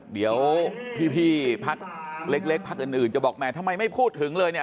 เดี๋ยวพี่พักเล็กพักอื่นจะบอกแหมทำไมไม่พูดถึงเลยเนี่ย